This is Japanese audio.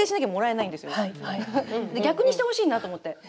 逆にしてほしいなと思って。